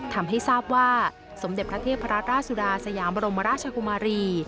ทำให้ทราบว่าสมเด็จพระเทพราชสุดาสยามบรมราชกุมารี